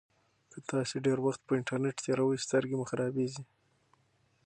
که تاسي ډېر وخت په انټرنيټ تېروئ سترګې مو خرابیږي.